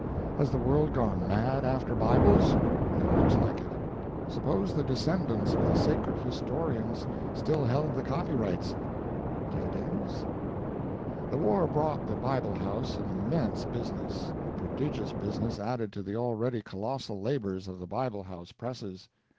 Has the world gone mad after Bibles? It looks like it. Suppose the descendants of the sacred historians still held the copyrights! Dividends? The war brought the Bible House an immense business—a prodigious business added to the already colossal labors of the Bible House presses.